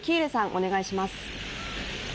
お願いします。